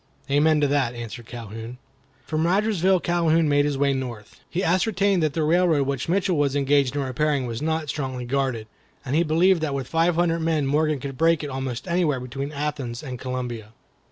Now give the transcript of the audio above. "Amen to that!" answered Calhoun. From Rogersville Calhoun made his way north. He ascertained that the railroad which Mitchell was engaged in repairing was not strongly guarded, and he believed that with five hundred men Morgan could break it almost anywhere between Athens and Columbia.